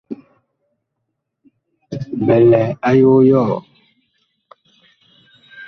Bi lɛ a yog yɔɔ.